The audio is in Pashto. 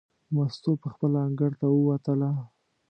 مستو پخپله انګړ ته ووتله.